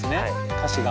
歌詞が。